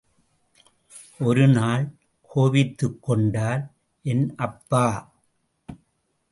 ஒருநாள் கோபித்துக்கொண்டார் என் அப்பா.